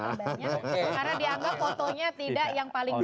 karena dianggap fotonya tidak yang paling baru